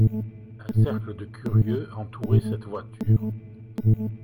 Un cercle de curieux entourait cette voiture.